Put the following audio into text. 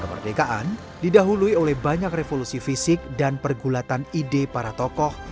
kemerdekaan didahului oleh banyak revolusi fisik dan pergulatan ide para tokoh